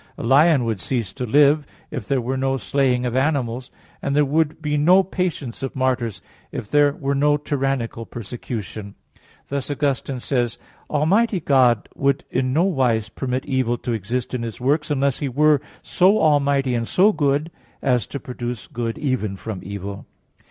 A lion would cease to live, if there were no slaying of animals; and there would be no patience of martyrs if there were no tyrannical persecution. Thus Augustine says (Enchiridion 2): "Almighty God would in no wise permit evil to exist in His works, unless He were so almighty and so good as to produce good even from evil."